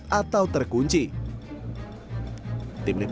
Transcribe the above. atau tidak diperlukan untuk memperbaiki kredit yang diperlukan